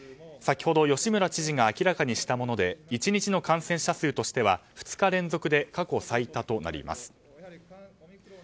先ほど吉村知事が明らかにしたもので１日の感染者数としては２日連続で過去最多となります。